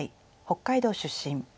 北海道出身。